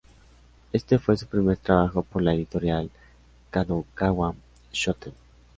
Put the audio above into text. Este fue su primer trabajo para la editorial Kadokawa Shoten.